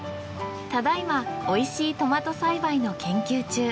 ただいまおいしいトマト栽培の研究中。